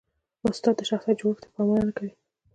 استاد د شخصیت جوړښت ته پاملرنه کوي.